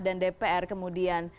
dan dpr kemudian